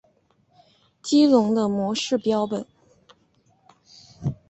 激龙的模式标本。